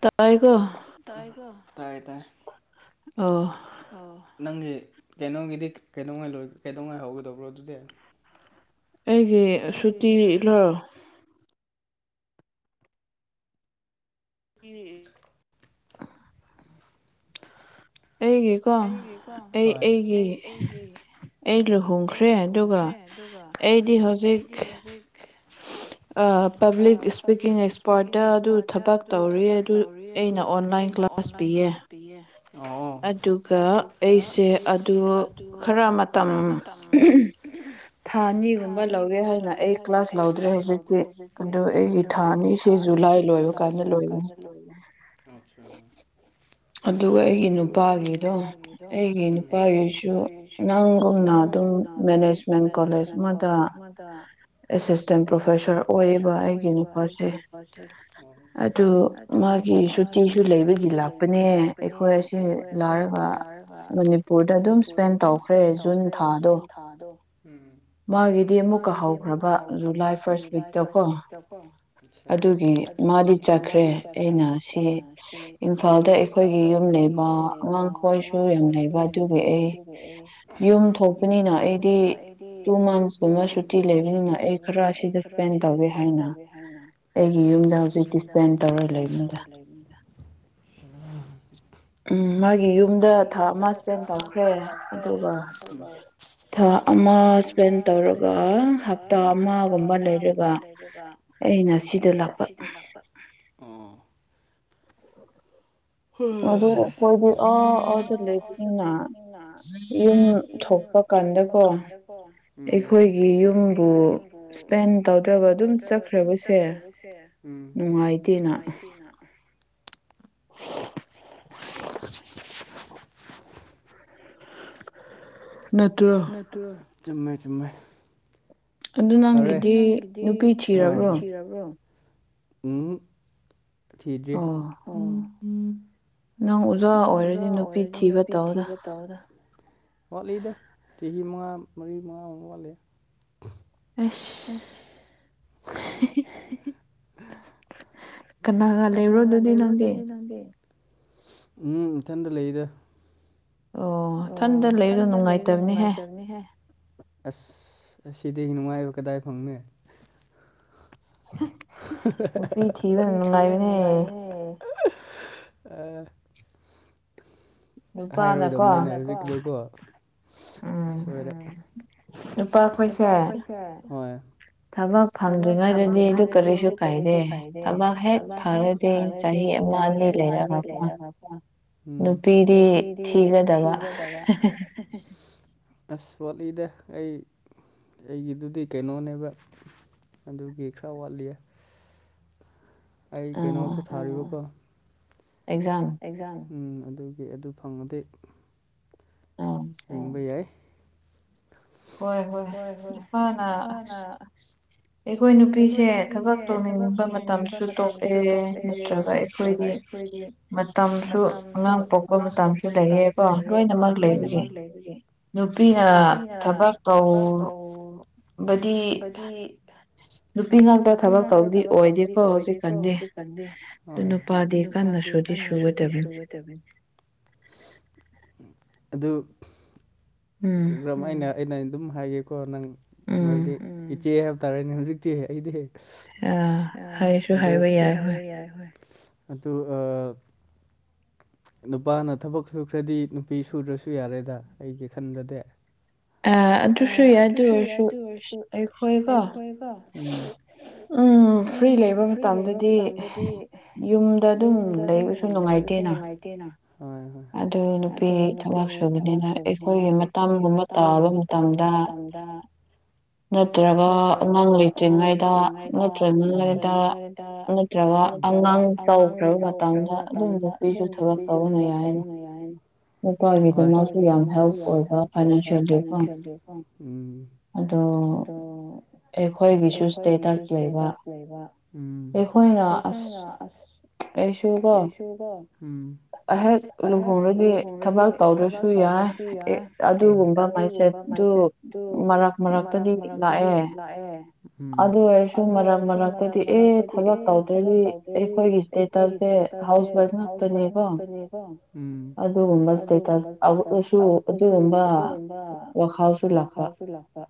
ꯇꯏꯒꯣ ꯇꯥꯏꯀꯣꯇꯥꯏ ꯇꯥꯏ ꯑꯣ ꯑꯣ ꯅꯪꯒꯤ ꯀꯩꯅꯣꯒꯤꯗꯤ ꯀꯩꯗꯧꯉꯥꯏ ꯀꯩꯗꯧꯉꯥꯏ ꯍꯧꯒꯗꯕ꯭ꯔꯣ ꯑꯗꯨꯗꯤ꯫ ꯑꯩꯒꯤ ꯁꯨꯇꯤꯂꯣ꯫ ꯎꯝ ꯑꯩꯒꯤꯀꯣ ꯑꯩ ꯑꯩꯒꯤ ꯑꯩ ꯂꯨꯍꯣꯡꯈ꯭ꯔꯦ ꯑꯗꯨꯒ ꯑꯩꯗꯤ ꯍꯧꯖꯤꯛ ꯑ ꯄꯕ꯭ꯂꯤꯛ ꯏꯁꯄꯤꯀꯤꯡ ꯑꯦꯛꯁꯄꯥꯔꯠꯇ ꯑꯗꯨ ꯊꯕꯛ ꯇꯧꯔꯤ ꯑꯗꯨ ꯑꯩꯅ ꯑꯣꯟ ꯂꯏꯟ ꯀ ꯀ꯭ꯂꯥꯁ ꯄꯤꯌꯦ ꯫ ꯑꯣ ꯑꯗꯨꯒ ꯑꯩꯁꯦ ꯑꯗꯨ ꯈꯔ ꯃꯇꯝ ꯎꯝ ꯊꯥ ꯑꯅꯤꯒꯨꯝꯕ ꯂꯧꯒꯦ ꯍꯥꯏꯅ ꯑꯩ ꯀ꯭ꯂꯥꯁ ꯂꯧꯗ꯭ꯔꯦ ꯍꯥꯏꯖꯤꯀꯤ ꯑꯗꯨ ꯑꯩꯒꯤ ꯊꯥꯅꯤꯁꯦ ꯖꯨꯂꯥꯏ ꯂꯣꯏꯕ ꯀꯥꯟꯗ ꯂꯣꯏꯅꯤ꯫ ꯑꯗꯨꯒ ꯑꯩꯒꯤ ꯅꯨꯄꯥꯒꯤꯗꯣ ꯑꯩꯒꯤ ꯅꯨꯄꯥꯒꯤꯁꯨ ꯅꯪꯒꯨꯝꯅ ꯑꯗꯨꯝ ꯃꯦꯅꯦꯖꯃꯦꯟꯠ ꯀꯣꯂꯦꯖ ꯀꯣꯦꯖ ꯃ ꯑꯁ ꯑꯦꯁꯤꯁꯇꯦꯟ ꯄ꯭ꯔꯣꯐꯦꯁꯔ ꯑꯣꯏꯔꯤꯕ ꯑꯩꯒꯤ ꯅꯨꯄꯥꯁꯦ ꯑꯗꯨ ꯃꯥꯒꯤ ꯁꯨꯇꯤꯁꯨ ꯂꯩꯕꯒꯤ ꯂꯥꯛꯄꯅꯦ ꯑꯦ ꯑꯩꯈꯣꯏ ꯑꯁꯤ ꯂꯥꯏꯔꯒ ꯃꯅꯤꯄꯨꯔꯗ ꯑꯗꯨꯝ ꯏꯁꯄꯦꯟ ꯇꯧꯈ꯭ꯔꯦ ꯖꯨꯟ ꯊꯥꯗꯣ ꯊꯥꯗꯣ ꯎꯝ ꯃꯥꯒꯤꯗꯤ ꯑꯃꯨꯛꯀꯥ ꯍꯧꯈ꯭ꯔꯕ ꯈ꯭ꯔꯕ ꯖꯨꯂꯥꯏ ꯐꯥꯔꯁ ꯋꯤꯛꯇꯀꯣ ꯑꯗꯨꯒꯤ ꯃꯥꯗꯤ ꯆꯠꯈ꯭ꯔꯦ ꯑꯩꯅ ꯁꯤ ꯏꯝꯐꯥꯜꯗ ꯑꯩꯈꯣꯏꯒꯤ ꯌꯨꯝ ꯂꯩꯕ ꯑꯉꯥꯡ ꯀꯣꯛꯁꯨ ꯌꯨꯝ ꯂꯩꯕ ꯑꯗꯨꯒꯤ ꯑꯩ ꯌꯨꯝ ꯊꯣꯛꯄꯅꯤꯅ ꯑꯩꯗꯤ ꯇꯨ ꯃꯟꯁꯀꯨꯝꯕ ꯁꯨꯇꯤ ꯂꯩꯕꯅꯤꯅ ꯑꯩ ꯈꯔ ꯑꯁꯤꯗ ꯏꯁꯄꯦꯟꯠ ꯇꯧꯒꯦ ꯍꯥꯏꯅ ꯑꯩꯒꯤ ꯌꯨꯝꯗ ꯍꯧꯖꯤꯛꯇꯤ ꯏꯁꯄꯦꯟꯠ ꯇꯧꯔ ꯂꯩꯕꯅꯤꯗ꯫ ꯎ ꯎꯝ ꯃꯥꯒꯤ ꯌꯨꯝꯗ ꯊꯥ ꯑꯃ ꯏꯁꯄꯦꯟ ꯇꯧꯈ꯭ꯔꯦ ꯑꯗꯨꯒ ꯊꯥ ꯑꯃ ꯏꯁꯄꯦꯟ ꯇꯧꯔꯒ ꯍꯞꯇꯥ ꯍꯞꯇꯥ ꯑꯃꯒꯨꯝꯕ ꯂꯩꯔꯒ ꯑꯩꯅ ꯁꯤꯗ ꯂꯥꯛꯄ ꯍꯣꯏ ꯑꯗꯨ ꯑꯩꯈꯣꯏꯗꯤ ꯑꯥ ꯑ ꯂꯩꯕꯅꯤꯅ ꯌꯦ ꯊꯣꯛꯄ ꯀꯥꯟꯗꯀꯣ ꯎꯝ ꯑꯩꯈꯣꯏꯒꯤ ꯌꯨꯝꯕꯨ ꯏꯁꯄꯦꯟ ꯇꯧꯗꯕ꯫ ꯑꯗꯨꯝ ꯆꯠꯈ꯭ꯔꯕꯁꯦ ꯅꯨꯡꯉꯥꯏꯇꯦꯅ [unintelligible] ꯅꯠꯇ꯭ꯔ ꯅꯠꯇꯔꯣ ꯆꯨꯝꯃꯦ ꯆꯨꯝꯃꯦ꯫ ꯅꯪꯒꯤꯗꯤ ꯊꯤꯔꯕ꯭ꯔꯣ ꯎꯝ ꯊꯤꯗ꯭ꯔꯤ ꯎ ꯅꯪ ꯑꯣꯖꯥ ꯑꯣꯏꯔꯗꯤ ꯅꯨꯄꯤ ꯊꯤꯕ ꯇꯧꯗ ꯋꯥꯠꯂꯤꯗ ꯆꯍꯤ ꯃꯉꯥ ꯃꯔꯤ ꯃꯉꯥꯃꯨꯛ ꯋꯥꯠꯂꯤꯦ ꯑ ꯀꯅꯥꯒꯂ ꯏꯣꯗꯨꯗꯤ ꯅꯪꯦ ꯅꯪꯦ ꯎꯝ ꯏꯊꯟꯇ ꯂꯩꯗ ꯑꯣ ꯏꯊꯟꯇ ꯂꯩꯕꯗꯣ ꯅꯨꯡꯉꯥꯏꯇꯕꯅꯤꯍ ꯑꯁ ꯑꯁꯤꯗꯤ ꯅꯨꯡꯉꯥꯏꯕ ꯀꯗꯥꯏ ꯐꯪꯅ ꯅꯨꯄꯤ ꯊꯤꯕꯅ ꯅꯨꯡꯉꯥꯏꯕꯅꯦ꯫ ꯑ ꯏꯄꯥꯗ [unintelligible] ꯄꯁꯦ ꯍ ꯊꯕꯛ ꯐꯪꯗ꯭ꯔꯤꯉꯩꯗꯗꯤ ꯑꯩꯗꯨ ꯀꯔꯤꯁꯨ ꯀꯥꯏꯗꯦ ꯊꯕꯛ ꯍꯦꯛ ꯊꯥꯔꯗꯤ ꯆꯍꯤ ꯑꯃ ꯑꯅꯤ ꯂꯩꯔꯒ ꯄꯥꯟ꯫ ꯎꯝ ꯅꯨꯄꯤꯗꯤ ꯊꯤꯒꯗꯕ꯫ ꯑꯁ ꯋꯥꯠꯂꯤꯗ ꯑꯩ ꯑꯩꯒꯤꯗꯨꯗꯤ ꯀꯩꯅꯣꯅꯦꯕ ꯑꯗꯨꯒꯤ ꯈꯔ ꯋꯥꯠꯂꯤꯑ ꯑꯩ ꯀꯩꯅꯣꯁꯨ ꯊꯥꯔꯤꯕꯀꯣ꯫ ꯑꯦꯛꯖꯥꯝ ꯑꯦꯛꯖꯥꯝ ꯎꯝ ꯑꯗꯨꯒꯤ ꯑꯗꯨ ꯐꯪꯉꯗꯤ ꯑꯣ ꯍꯡꯕ ꯌꯥꯏ ꯍꯣꯏ ꯍꯣꯏ ꯅꯨꯨꯄꯥꯅ ꯑꯩꯈꯣꯏ ꯅꯨꯄꯤꯁꯦ ꯊꯕꯛ ꯇꯧꯅꯤꯡꯕ ꯃꯇꯝꯁꯨ ꯇꯣꯛꯑꯦ ꯅꯠꯇ꯭ꯔꯒ ꯍꯥꯏꯦ ꯃꯇꯝꯁꯨ ꯑꯉꯥꯡ ꯄꯣꯛꯄ ꯃꯇꯝꯁꯨ ꯂꯩꯌꯦꯀꯣ ꯂꯣꯏꯅꯃꯛ ꯂꯩꯕꯒꯤ ꯅꯨꯄꯤꯅ ꯊꯕꯛ ꯇꯧꯕꯗꯤ ꯅꯨꯄꯤ ꯉꯥꯛꯇ ꯊꯕꯛ ꯇꯧꯗꯤ ꯑꯣꯏꯗꯦꯀꯣ ꯍꯧꯖꯤꯛ ꯀꯟꯗꯤ ꯅꯨꯄꯥꯗꯤ ꯀꯟꯅ ꯁꯨꯗꯤ ꯁꯨꯒꯗꯕꯅꯤ ꯑꯗꯨ꯫ ꯑꯩꯅ ꯑꯩꯅ ꯑꯗꯨꯝ ꯍꯥꯏꯒꯦꯀꯣ ꯅꯪ ꯅꯣꯏꯗꯤ ꯏꯆꯦ ꯇꯥꯔꯦꯅꯦ ꯍꯧꯖꯤꯛꯇꯤ ꯑꯩꯗꯤ ꯑꯗꯨ ꯍꯥꯏꯁꯨ ꯍꯥꯏꯕ ꯌꯥꯏ ꯑꯗꯨ ꯑ ꯅꯨꯄꯥꯅ ꯊꯕꯛ ꯁꯨꯈ꯭ꯔꯗꯤ ꯅꯨꯄꯤ ꯁꯨꯗ꯭ꯔꯁꯨ ꯌꯥꯔꯦꯗ ꯑꯩꯒꯤ ꯈꯟꯗꯗꯤ ꯑ ꯑꯗꯨꯁꯨ ꯌꯥꯏ ꯑꯗꯨ ꯑꯣꯏꯔꯁꯨ ꯑꯩꯈꯣꯏꯀꯣ ꯎꯝ ꯐ꯭ꯔꯤ ꯂꯩꯕ ꯃꯇꯝꯗꯗꯤ ꯌꯨꯝꯗ ꯑꯗꯨꯝ ꯂꯩꯕꯁꯨ ꯅꯨꯡꯉꯥꯏ ꯉꯥꯏꯇꯦꯅ ꯍꯣꯏ- ꯍꯣꯏ ꯑꯗꯨ ꯅꯨꯄꯤ ꯊꯕꯛ ꯁꯨꯕꯅꯤꯅ ꯑꯩꯈꯣꯏꯒꯤ ꯃꯇꯝꯒꯨꯝꯕ ꯇꯥꯕ ꯃꯇꯝꯗ ꯅꯠꯇ꯭ꯔꯒ ꯑꯉꯥꯡ ꯂꯩꯇ꯭ꯔꯤꯉꯩꯗ ꯅꯠꯇ꯭ꯔꯒꯉꯩꯗ ꯅꯠꯇ꯭ꯔꯒ ꯑꯉꯥꯡ ꯆꯥꯎꯈ꯭ꯔꯕ ꯃꯇꯝꯗ ꯑꯗꯨꯝ ꯅꯨꯄꯤꯁꯨ ꯊꯕꯛ ꯇꯧꯋꯤ ꯅ ꯍꯣꯏ 'inaudible' ꯐꯥꯏꯅꯥꯟꯁꯤꯌꯦꯜꯒꯤ ꯀꯣ ꯎꯝ꯫ ꯑꯗꯣ ꯑꯩꯈꯣꯏꯒꯤꯁꯨ ꯏꯁꯇꯦꯇꯁ ꯂꯩꯕ ꯑꯩꯈꯣꯏꯅ ꯑꯁ ꯀꯩꯁꯨꯒ ꯑꯩꯍꯦꯛ ꯂꯨꯍꯣꯡꯂꯗꯤ ꯊꯕꯥꯛ ꯇꯧꯗ꯭ꯔꯁꯨ ꯌꯥꯏ ꯑꯗꯨꯒꯨꯝꯕ ꯃꯥꯏꯁꯦꯠ ꯃꯔꯛ ꯃꯔꯛꯇꯗꯤ ꯃꯔꯛꯇꯗꯤ ꯂꯥꯛꯑꯦ ꯑꯗꯨ ꯑꯣꯏꯔꯁꯨ ꯃꯔꯛ ꯃꯔꯛꯇꯗꯤ ꯑꯦ ꯊꯕꯛ ꯇꯧ ꯑꯗꯤ ꯑꯩꯈꯣꯏꯒꯤ ꯁꯇꯦꯇꯁꯁꯦ ꯍꯥꯎꯁ ꯋꯥꯏꯐ ꯉꯥꯛꯇꯅꯦꯀꯣ ꯎꯝ ꯑꯗꯨꯒꯨꯝꯕ ꯁꯇꯦꯇꯁ ꯑꯗꯨꯒꯨꯝꯕ ꯇ ꯂꯥꯛꯄ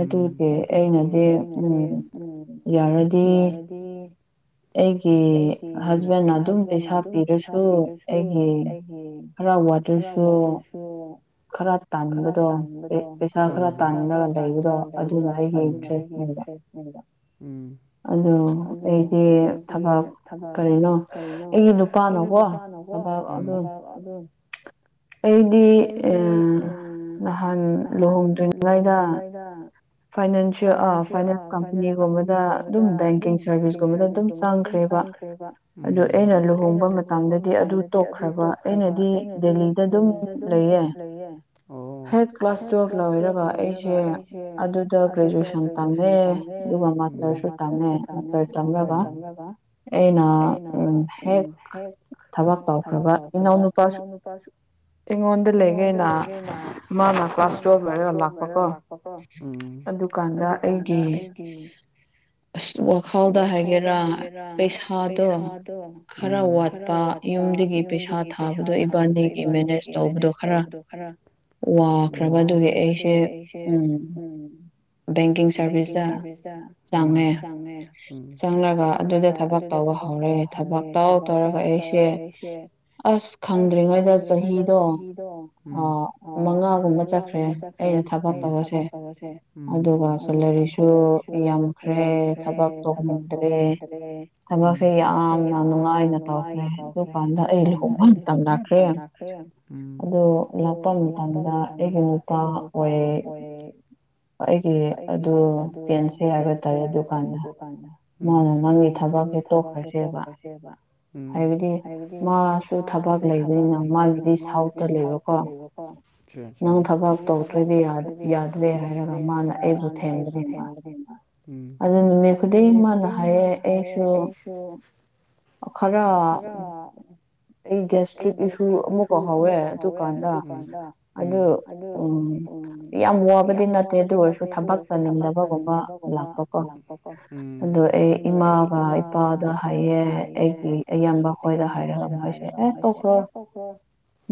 ꯎꯝ ꯑꯗꯨꯗꯤ ꯑꯩꯅꯗꯤ ꯎꯝ ꯌꯥꯔꯗꯤ ꯑꯩꯒꯤ ꯍꯁꯕꯦꯟꯅ ꯑꯗꯨꯝ ꯄꯩꯁꯥ ꯄꯤꯔꯁꯨ ꯎ ꯍꯔꯥꯎꯕ ꯑꯗꯨꯁꯨ ꯈꯔ ꯈꯔ ꯇꯥꯟꯕꯗꯣ ꯄꯩꯁꯥ ꯈꯔ ꯇꯥꯟꯔꯒ ꯂꯩꯕꯗꯣ ꯑꯗꯨꯅ ꯑꯩꯒꯤ ꯏꯟꯇ꯭ꯔꯦꯁꯅꯦꯗ ꯎꯝ ꯑꯗꯨ ꯑꯩꯒꯤ ꯊꯕꯛ ꯀꯔꯤꯅꯣ ꯑꯩꯒꯤ ꯅꯨꯄꯥꯅ ꯑꯗꯨ ꯑꯩꯗꯤ ꯑꯩꯗꯤ ꯅꯍꯥꯟ ꯂꯨꯍꯣꯡꯗ꯭ꯔꯤꯉꯩꯗ ꯐꯥꯏꯅꯥꯟꯁꯤ ꯐꯥꯏꯅꯥꯟꯁ ꯀꯝꯄꯅꯤꯒꯨꯝꯕꯗ ꯑꯗꯨꯝ ꯕꯦꯡꯀꯤꯡ ꯁꯥꯔꯚꯤꯁꯀꯨꯝꯕꯗ ꯑꯗꯨꯝ ꯆꯪꯈ꯭ꯔꯦ ꯑꯗꯨ ꯑꯩꯅ ꯂꯨꯍꯣꯡꯕ ꯃꯇꯝꯗꯗꯤ ꯑꯗꯨ ꯇꯣꯛꯈ꯭ꯔꯕ ꯑꯩꯅꯗꯤ ꯗꯦꯜꯂꯤꯗ ꯑꯗꯨꯝ ꯂꯩꯌꯦ ꯍꯦꯛ ꯀ꯭ꯂꯥꯁ ꯇꯨꯋꯦꯜꯐ ꯂꯣꯏꯔꯕ ꯑꯩꯁꯦ ꯑꯗꯨꯗ ꯒ꯭ꯔꯦꯖꯨꯋꯦꯁꯟ ꯇꯝꯃꯦ ꯑꯗꯨꯒ ꯃꯁꯇꯔꯁꯨ ꯇꯝꯃꯦ ꯃꯁꯇꯔ ꯇꯝꯔꯒ ꯑꯩꯅ ꯍꯦꯛ ꯊꯕꯛ ꯇꯧꯈ꯭ꯔꯕ ꯏꯅꯥꯎꯅꯨꯄꯥꯁꯨ ꯑꯩꯉꯣꯟꯗ ꯂꯩ ꯀꯣꯟꯗ ꯂꯩꯒꯦꯅ ꯃꯥꯅ ꯀ꯭ꯂꯥꯁ ꯇꯨꯋꯜꯚ ꯂꯣꯏꯔꯒ ꯂꯥꯛꯄꯀꯣ ꯑꯗꯨꯀꯥꯟꯗ ꯑꯩꯒꯤ ꯑꯁ ꯋꯥꯈꯜꯗ ꯍꯥꯏꯒꯦꯔꯥ ꯄꯩꯁꯥꯗꯣ ꯈꯔ ꯋꯥꯠ ꯑ ꯌꯨꯝꯗꯒꯤ ꯄꯩꯁꯥ ꯊꯥꯕꯗꯣ ꯏꯕꯥꯅꯤꯒꯤ ꯃꯦꯅꯦꯖ ꯇꯧꯕꯗꯣ ꯈꯔ ꯋꯥꯈ꯭ꯔꯕ ꯑꯗꯨꯒꯤ ꯑꯩꯁꯦ ꯎꯝ ꯕꯦꯡꯀꯤꯡ ꯁꯥꯔꯚꯤꯁꯇ ꯆꯪꯉꯦ ꯆꯪꯉꯒ ꯑꯗꯨꯗ ꯊꯥꯝ ꯊꯕꯛ ꯇꯧꯕ ꯍꯧꯔꯦ ꯊꯕꯛ ꯇꯧ ꯇꯧꯔꯒ ꯑꯩꯁꯦ ꯑꯁ ꯈꯪꯗ꯭ꯔꯤꯉꯩꯗ ꯆꯍꯤꯗꯣ ꯑꯣ ꯃꯉꯥꯒꯨꯝꯕ ꯆꯠꯈ꯭ꯔꯦ ꯑꯩꯅ ꯊꯕꯛ ꯇꯧꯕꯁꯦ ꯑꯗꯨꯒ ꯂꯥꯏꯔꯤꯛꯁꯨ ꯌꯥꯝꯈ꯭ꯔꯦ ꯊꯕꯛ ꯇꫭꯛꯅꯤꯡꯗ꯭ꯔꯦ ꯊꯕꯛꯁꯦ ꯌꯥꯝꯅ ꯅꯨꯡꯉꯥꯏꯅ ꯇꯧꯈ꯭ꯔꯦ ꯑꯗꯨ ꯀꯥꯟꯗ ꯑꯩ ꯂꯨꯍꯣꯡ ꯃꯇꯝ ꯂꯥꯛꯈ꯭ꯔꯦ ꯑꯗꯣ ꯑꯗꯨ ꯂꯥꯛꯄ ꯃꯇꯝꯗ ꯑꯩꯒꯤ ꯅꯨꯄꯥ ꯑꯣꯏꯔꯦ ꯑꯩꯒꯤ ꯑꯗꯨ ꯌꯦꯟꯁꯦ ꯍꯥꯏꯕ ꯇꯥꯏꯂꯦ ꯑꯗꯨꯀꯥꯟꯗ ꯎꯝ ꯃꯥꯅ ꯅꯪꯒꯤ ꯊꯕꯛꯁꯦ ꯇꯣꯛꯈꯔꯁꯦꯕ ꯎꯝ ꯍꯥꯏꯕꯗꯤ ꯃꯥꯁꯨ ꯊꯕꯛ ꯂꯩꯕꯅꯤꯅ ꯃꯥꯒꯤꯗꯤ ꯁꯥꯎꯠ ꯇꯥꯜꯂꯦꯕꯀꫭ ꯅꯪ ꯊꯕꯛ ꯇꯧꯗ꯭ꯔꯗꯤ ꯌꯥꯗ꯭ꯔꯦ ꯍꯥꯏꯔꯒ ꯃꯥꯅ ꯊꯦꯝꯕꯅꯦꯕ ꯑꯗꯨꯅꯅꯦ ꯈꯨꯗꯤꯡ ꯃꯥꯅ ꯍꯥꯏꯌꯦ ꯑꯩꯁꯨ ꯈꯔ ꯑꯩꯒꯁꯇ꯭ꯔꯛ ꯏꯁꯨ ꯑꯃꯨꯀꯍꯧꯑꯦ [unintelligible] ꯑꯗꯨꯀꯥꯟꯗ ꯑꯗꯨ ꯎꯝ ꯌꯥꯝ ꯋꯥꯕꯗꯤ ꯅꯠꯇꯦ ꯑꯗꯨ ꯑꯣꯏꯔꯁꯨ [unintelligible] ꯊꯕꯛ ꯇꯧꯅꯤꯡꯗꯕꯒꯨꯝꯕ ꯂꯥꯛꯄꯀꯣ ꯑꯗꯣ ꯑꯩ ꯏꯃꯥꯒ ꯏꯄꯥꯗ ꯍꯥꯏꯌꯦ ꯑꯩꯒꯤ ꯑꯌꯥꯝꯕ ꯈꯣꯏꯗ ꯍꯥꯏꯔꯒ ꯃꯣꯏꯁꯦ ꯑꯦ ꯇꫭꯛꯈ꯭ꯔꯣ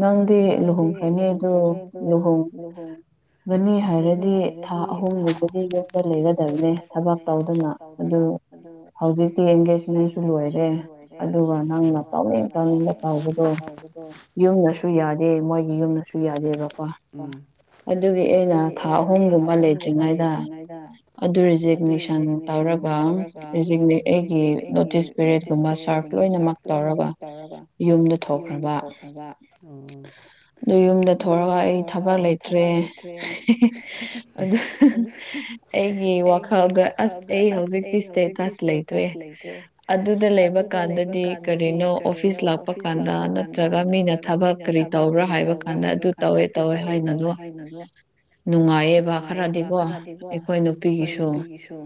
ꯅꯪꯗꯤ ꯂꯨꯍꯣꯡꯈꯔꯅꯤ ꯑꯗꫭ ꯂꯨꯍꯣꯡ ꯒꯅꯤ ꯍꯥꯏꯔꯗꯤ ꯊꯥ ꯑꯍꯨꯝꯒꯨꯝꯕꯗꯤ ꯌꯨꯝꯗ ꯂꯩꯒꯗꯕꯅꯦ ꯊꯕꯛ ꯇꯧꯗꯅ ꯑꯗꯨ ꯍꯧꯖꯤꯛꯇꯤ ꯑꯦꯡꯒꯦꯖꯃꯦꯟꯁꯨ ꯂꯣꯏꯔꯦ ꯑꯗꯨꯒ ꯅꯪꯅ ꯇꯧꯅꯤꯡ ꯇꯧꯅꯤꯡꯕ ꯍꯥꯏꯕꯗꯣ ꯌꯨꯝꯗꯁꯨ ꯌꯥꯗꯦ ꯃꯣꯏꯒꯤ ꯌꯨꯝꯗꯁꯨ ꯌꯥꯗꯦꯕꯀꯣ ꯑꯗꯨꯒꯤ ꯑꯩꯅ ꯊꯥ ꯑꯍꯨꯝꯒꯨꯝꯕ ꯂꯩꯇ꯭ꯔꯤꯉꯩꯗ ꯑꯗꯨ ꯔꯤꯖꯛꯅꯦꯁꯟ ꯇꯧꯔꯒ ꯑꯩꯒꯤ ꯅꯣꯇꯤꯁ ꯄꯦꯔꯠꯀꯨꯝꯕ ꯁꯥꯔꯐ ꯂꯣꯏꯅꯃꯛ ꯇꯧꯔꯒ ꯌꯨꯝꯗ ꯊꯣꯛꯈ꯭ꯔꯕ ꯎꯝ ꯑꯗꯨ ꯌꯨꯝꯗ ꯊꯔꯒ ꯑꯩ ꯊꯕꯛ ꯂꯩꯇ꯭ꯔꯦ ꯑꯗꯨ ꯑꯩꯒꯤ ꯋꯥꯈꯜꯗ ꯑꯁ ꯑꯩ ꯍꯧꯖꯤꯛꯇꯤ ꯏꯁꯇꯦꯇꯁ ꯂꯩꯇꯔꯦ ꯑꯗꯨꯗ ꯂꯩꯕ ꯀꯥꯟꯗꯗꯤ ꯀꯔꯤꯅꯣ ꯑꯣꯐꯤꯁ ꯂꯥꯛꯄ ꯀꯥꯟꯗ ꯅꯠꯇ꯭ꯔꯒ ꯃꯤ ꯊꯕꯛ ꯀꯔꯤ ꯇꯧꯕ꯭ꯔꯥ ꯍꯥꯏꯕ ꯀꯥꯟꯗ ꯑꯗꯨ ꯇꯧꯋꯦ ꯇꯧꯋꯦ ꯍꯥꯏꯅꯗꯣ ꯅꯨꯡꯉꯥꯏꯌꯦꯕ ꯈꯔꯗꯤꯀꯣ ꯑꯩꯈꯣꯏ ꯅꯨꯄꯤꯒꯤꯁꯨ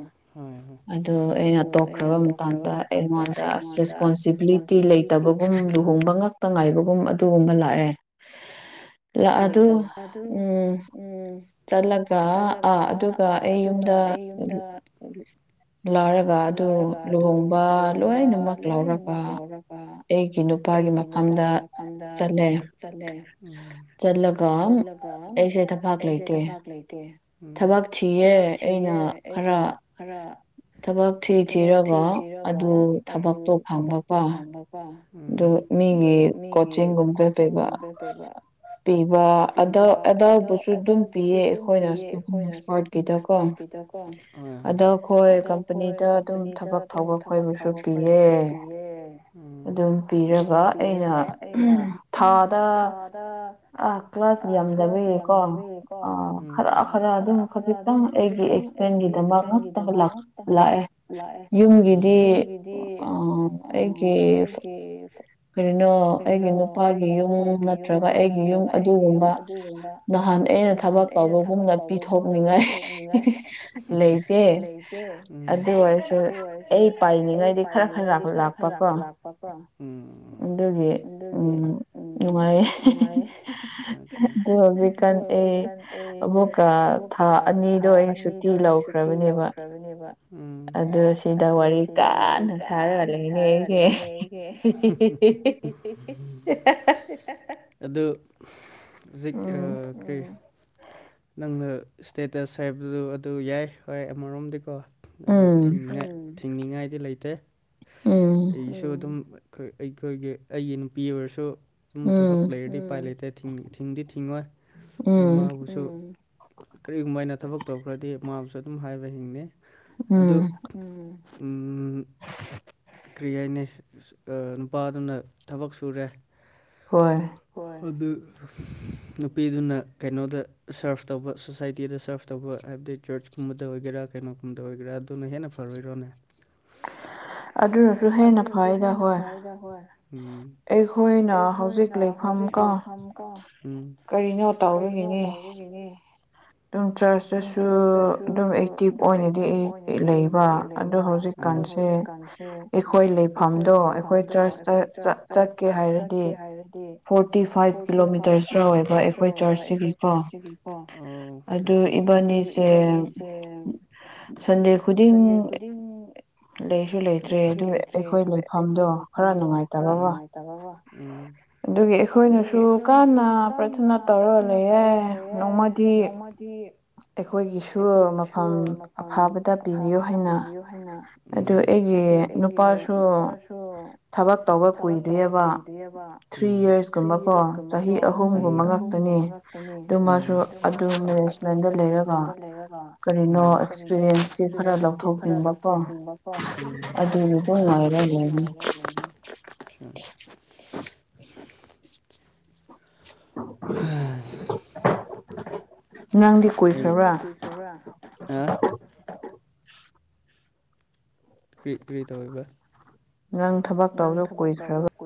ꯑꯗꯨ ꯑꯩꯅ ꯇꯣꯛꯈ꯭ꯔꯕ ꯃꯇꯝꯗ ꯑꯩꯉꯣꯟꯗ ꯑꯁ ꯔꯦꯁꯄꯣꯟꯁꯤꯕꯤꯂꯤꯇꯤ ꯎꯝ ꯂꯨꯍꯣꯡꯕ ꯉꯛꯇ ꯉꯥꯏꯕꯒꯨꯝ ꯑꯗꯨꯒꯨꯝꯕ ꯂꯥꯛꯑꯦ ꯥꯂꯥꯛ ꯑꯗꯨ ꯎꯝ ꯆꯠꯂꯛ ꯑꯥ ꯑꯗꯨꯒ ꯑꯩ ꯌꯨꯝꯗ ꯆꯠꯂꯨ ꯂꯥꯔ ꯑꯗꯨ ꯂꯨꯍꯣꯡꯕ ꯂꯣꯏꯅꯃꯛ ꯂꯧꯔꯒ ꯑꯩꯒꯤ ꯅꯨꯄꯥꯒꯤ ꯃꯐꯝꯗ ꯍꯟꯗꯥꯛ ꯆꯠꯂꯦ ꯎꯝ ꯆꯠꯂꯒ ꯑꯩꯁꯦ ꯊꯄꯥꯛ ꯂꯩꯇꯦ ꯊꯕꯛ ꯊꯤꯌꯦ ꯑꯩꯅ ꯈꯔ ꯊꯕꯛ ꯊꯤ ꯊꯤꯔꯒꯥ ꯑꯗꯨ ꯊꯕꯛꯇꯣ ꯐꯪꯕꯀꯣ ꯄꯥ ꯑꯗꯨ ꯃꯤꯒꯤ ꯀꯣꯆꯤꯡꯒꯨꯝ ꯆꯥꯠꯇꯨꯏꯕ ꯄꯤꯕ ꯑꯗꯥ ꯑꯗꯥꯏꯗꯁꯨ ꯑꯗꯨꯝ ꯄꯤꯌꯦ ꯑꯩꯈꯣꯏꯅ ꯏꯁꯄꯥꯠꯀꯤꯗꯀꯣ ꯑꯗꯥ ꯑꯩꯈꯣꯏ ꯀꯝꯄꯅꯤꯗ ꯑꯗꯨꯝ ꯊꯕꯛ ꯐꯕ ꯈꯣꯏꯕꯁꯨ ꯄꯤꯌꯦ ꯎꯝ ꯑꯗꯨꯝ ꯄꯤꯔꯒ ꯑꯩꯅ ꯊꯥꯗ ꯑꯥ ꯀ꯭ꯂꯥꯁ ꯌꯥꯝꯖꯕꯩꯌꯦꯀꯣ ꯑ ꯈꯔ ꯈꯔ ꯑꯗꯨꯝ ꯈꯖꯤꯛꯇꯪ ꯑꯩꯒꯤ ꯑꯦꯛꯁꯄꯦꯟꯒꯤꯗꯃꯛ ꯉꯛꯇ ꯂꯥꯛ ꯂꯥꯛꯑꯦ ꯌꯨꯝꯒꯤꯗꯤ ꯑꯩꯒꯤ ꯀꯔꯤꯅꯣ ꯑꯩꯒꯤ ꯅꯨꯄꯥꯒꯤ ꯌꯨꯝ ꯅꯠꯇ꯭ꯔꯒ ꯑꯩꯒꯤ ꯌꯨꯝ ꯑꯗꯨꯒꯨꯝꯕ ꯅꯍꯥꯟ ꯑꯩꯅ ꯊꯕꯛ ꯇꯧꯕꯒꯨꯝꯅ ꯄꯤꯊꯣꯛꯅꯤꯡꯉꯥꯏ ꯂꯩ ꯇꯦ ꯑꯗꯨ ꯑꯣꯏꯔꯁꯨ ꯑꯩ ꯄꯥꯏꯔꯤꯉꯩꯗꯤ ꯈꯔ ꯈꯔ ꯂꯄ ꯂꯥꯛꯄ [unintelligible] ꯎꯝ ꯑꯗꯨꯒꯤ ꯎꯝ ꯅꯨꯡꯉꯥꯏ [unintelligible] ꯑꯣ ꯍꯧꯖꯤꯛꯀꯥꯟ ꯑꯩ ꯑꯃꯨꯛꯀ ꯊꯥ ꯑꯅꯤꯗꯣ ꯑꯩ ꯁꯨꯇꯤ ꯂꯧꯈ꯭ꯔꯕꯅꯦꯕ ꯎꯝ ꯑꯗꯨ ꯁꯤꯗ ꯋꯥꯔꯤ ꯀꯟꯅ ꯁꯥꯔꯒ ꯂꯩꯅꯦ [unintelligible] [unintelligible] ꯑꯗꫭ ꯍꯧꯖꯤꯛ ꯀꯩ ꯑ ꯅꯪꯅ ꯏꯁꯇꯦꯇꯁ ꯍꯥꯏꯕꯗꯨ ꯑꯗꯨ ꯌꯥꯏ ꯍꯣꯏ ꯑꯃꯔꯣꯝꯗꯤꯀꯣ ꯑꯗꯨ ꯊꯤꯡꯅꯤꯡꯉꯥꯏ ꯊꯤꯡꯅꯤꯡꯉꯥꯏꯗꯤ ꯂꯩꯇꯦ ꯑꯩꯁꯨ ꯑꯗꯨꯝ ꯑꯈꯣꯏ ꯑꯩꯈꯣꯏꯒꯤ ꯑꯩꯒꯤ ꯅꯨꯄꯤ ꯑꯣꯏꯔꯁꯨ ꯁꯨꯝ ꯊꯕꯛ ꯂꯩꯔꯗꯤ ꯎꯄꯥꯏ ꯂꯩꯇꯦ ꯊꯤꯡꯗꯤ ꯊꯤꯡꯉꯣꯏ ꯑꯗꯨ ꯃꯥꯕꯨ ꯁꯨ ꯀꯔꯤꯒꯨꯝꯕ ꯍꯥꯏꯅ ꯊꯕꯛ ꯇꯧꯈ꯭ꯔꯗꯤ ꯃꯥꯕꯨꯁꯨ ꯑꯗꯨꯝ ꯍꯥꯏꯕ ꯍꯤꯡꯉꯤ ꯎꯝ ꯎꯝ ꯎꯝ ꯀꯔꯤ ꯍꯥꯏꯅꯤ ꯅꯨꯄꯥꯗꯨꯅ ꯊꯕꯛ ꯁꯨꯔꯦ ꯍꯣꯏ ꯍꯣꯏ ꯑꯗꯨ ꯅꯨꯄꯤꯗꯨꯅ ꯀꯩꯅꯣꯗ ꯁꯔꯐ ꯇꯧꯕ ꯁꯣꯁꯥꯏꯇꯤꯗ ꯁꯔꯐ ꯇꯧꯕ ꯍꯥꯏꯕꯗꯤ ꯆꯔꯆꯀꯨꯝꯕꯗ ꯑꯣꯏꯒꯦꯔꯥ ꯀꯩꯅꯣꯒꯨꯝꯕꯗ ꯑꯣꯏꯒꯦꯔꯥ ꯑꯗꯨꯅ ꯍꯦꯟꯅ ꯐ ꯐꯔꫭꯗ꯭ꯔꫭꯅꯦ ꯑꯗꯨꯅꯁꯨ ꯍꯦꯟꯅ ꯐꯩꯗ ꯍꯣꯏ ꯎꯝ ꯑꯩꯈꯣꯏꯅ ꯍꯧꯖꯤꯛ ꯂꯩꯐꯝ ꯀ ꯀꯔꯤꯅꯣ ꯑꯗꯨꯒꯤꯅꯦ ꯑꯗꯨꯝ ꯆ꯭ꯔꯆꯇꯁꯨ ꯑꯗꯨꯝ ꯑꯦꯛꯇꯤꯚ ꯑꯣꯏꯅꯗꯤ ꯑꯩ ꯂꯩꯕ ꯑꯗ ꯍꯧꯖꯤꯛꯀꯥꯟꯁꯦ ꯑꯩꯈꯣꯏ ꯂꯩꯐꯝꯗꯣ ꯑꯩꯈꯣꯏ ꯆꯔꯆꯇ ꯆꯠꯀꯦ ꯍꯥꯏꯔꯗꯤ ꯐꯣꯔꯇꯤ ꯐꯥꯏꯚ ꯀꯤꯂꯣꯃꯤꯇꯔꯁꯨ ꯑꯣꯏꯕ ꯑꯩꯈꯣꯏ ꯆꯔꯆꯁꯤꯀꯣ [unintelligible] ꯑꯗꯨ ꯏꯕꯥꯅꯤꯁꯦ ꯁꯟꯗꯦ ꯈꯨꯗꯤꯡ ꯂꯩꯁꯨ ꯂꯩꯇ꯭ꯔꯦ ꯑꯗꯨ ꯑꯩꯈꯣꯏ ꯂꯩꯐꯝꯗꯣ ꯈꯔ ꯅꯨꯡꯉꯥꯏꯇꯦ [unintelligible] ꯑꯗꯨꯒꯤ ꯑꯩꯈꯣꯏꯅꯁꯨ ꯀꯥꯟꯅ ꯄ꯭ꯔꯊꯅꯥ ꯇꯧꯔ ꯂꯩꯌꯦ ꯅꯣꯡꯃꯗꯤ [unintelligible] ꯑꯩꯈꯣꯏꯒꯤꯁꯨ ꯃꯐꯝ ꯑꯐꯥꯕꯗ ꯄꯤꯕꯤꯌꯨ ꯍꯥꯏꯅ ꯑꯗꯨ ꯑꯩꯒꯤ ꯅꯨꯄꯥꯁꯨ ꯇꯣ ꯊꯕꯛ ꯇꯧꯕ ꯀꯨꯏꯗ꯭ꯔꯤꯑꯦꯕ ꯊ꯭ꯔꯤ ꯌꯔꯁꯀꯨꯝꯕꯀꯣ ꯆꯍꯤ ꯑꯍꯨꯝꯒꯨꯝꯕꯒ ꯗꯅꯤ ꯑꯗꯨꯃꯥꯁꯨ ꯑꯗꯨ ꯃꯦꯅꯦꯖꯃꯦꯟꯗ ꯂꯩꯔꯒ ꯀꯔꯤꯅꯣ ꯑꯦꯛꯄꯤꯔꯤꯟꯁꯇꯤ ꯈꯔ ꯂꯧꯊꯣꯛꯅꯤꯡꯕꯀꯣ ꯑꯗꯨ [unintelligible] [unintelligible] [inaudible] ꯅꯪꯗꯤ ꯀꯨꯏꯈ꯭ꯔꯕ꯭ꯔꯥ [unintelligible] ꯀꯔꯤ ꯀꯔꯤ ꯇꯧꯋꯦꯕ ꯅꯪ ꯊꯕꯛ ꯇꯧꯕꯗꯨ ꯀꯨꯏ